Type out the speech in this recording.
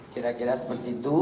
kira kira seperti itu